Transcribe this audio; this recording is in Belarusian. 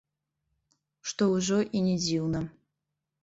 Што ўжо і не дзіўна.